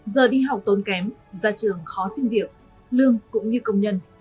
giờ đi học tốn kém ra trường khó sinh việc lương cũng như công nhân